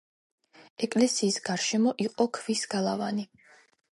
ეკლესიის გარშემო იყო ქვის გალავანი.